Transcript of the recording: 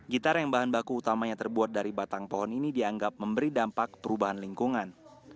gitar yang bahan baku utamanya terbuat dari batang pohon ini dianggap memberi dampak perubahan lingkungan